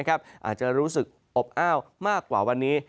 อาจจะรู้สึกอบอ้าวมากกว่าวันนี้